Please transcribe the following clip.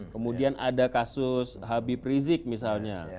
kemudian ada kasus habib rizik misalnya